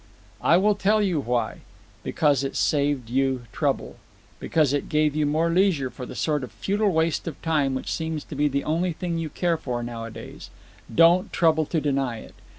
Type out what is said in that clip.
"I will tell you why. Because it saved you trouble. Because it gave you more leisure for the sort of futile waste of time which seems to be the only thing you care for nowadays. Don't trouble to deny it.